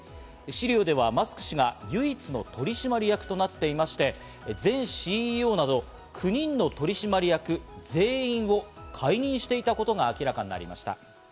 資料ではマスク氏が唯一の取締役となっていまして、前ＣＥＯなど９人の取締役全員を解任していたことが明らかになりました。